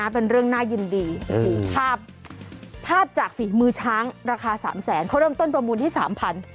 เป็นเรื่องน่ายินดีภาพจากฝีมือช้างราคา๓แสนเขาเริ่มต้นประมูลที่๓๐๐บาท